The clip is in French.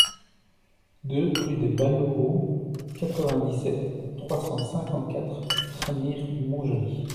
deux rue des Balourous, quatre-vingt-dix-sept, trois cent cinquante-quatre, Remire-Montjoly